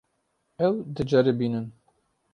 Ew diceribînin.